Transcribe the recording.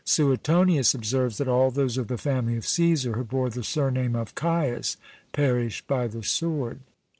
Suetonius observes that all those of the family of CÃḊsar who bore the surname of Caius perished by the sword.